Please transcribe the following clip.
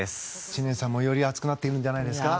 知念さんもより熱くなってるんじゃないですか？